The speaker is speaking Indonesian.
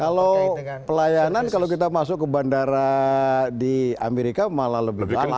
kalau pelayanan kalau kita masuk ke bandara di amerika malah lebih banyak